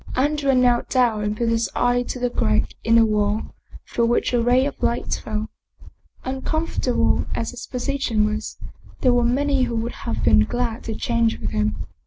Andrea knelt down and put his eye to the crack in the wall, through which a ray of light fell. Uncomfortable as his position was, there were many who would have been glad to change with him.